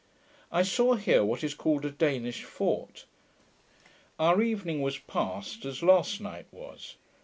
I saw here what is called a Danish fort. Our evening was passed as last night was.